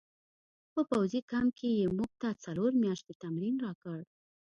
په پوځي کمپ کې یې موږ ته څلور میاشتې تمرین راکړ